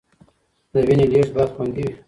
د وینې لیږد باید خوندي وي.